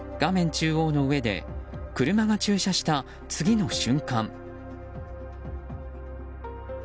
中央の上で車が駐車した、次の瞬間。